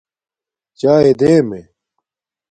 چاݵے دیمے